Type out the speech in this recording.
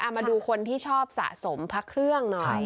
มาดูคนที่ชอบสะสมพระเครื่องหน่อย